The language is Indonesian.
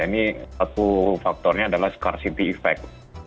ini satu faktornya adalah scarcity effect